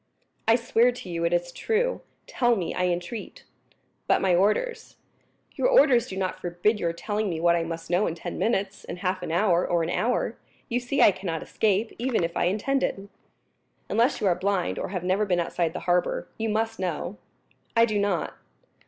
"I swear to you it is true. Tell me, I entreat." "But my orders." "Your orders do not forbid your telling me what I must know in ten minutes, in half an hour, or an hour. You see I cannot escape, even if I intended." "Unless you are blind, or have never been outside the harbor, you must know." "I do not."